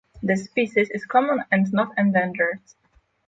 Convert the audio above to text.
The species is common and not endangered.